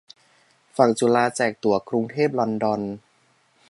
ฝั่งจุฬาแจกตั๋วกรุงเทพ-ลอนดอน